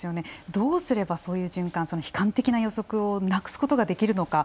どうすればそういう循環悲観的な予測をなくすことができるのか。